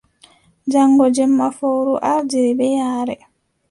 Jaŋgo jemma fowru ardiri bee yaare.